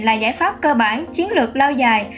là giải pháp cơ bản chiến lược lao dài